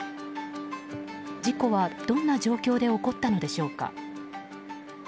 事故はどんな状況で起こったのでしょうか。